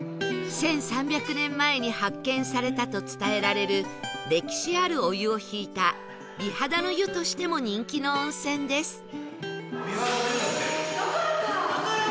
１３００年前に発見されたと伝えられる歴史あるお湯を引いた美肌の湯としても人気の温泉です